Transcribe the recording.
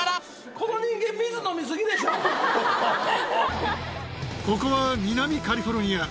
この人間、ここは南カリフォルニア。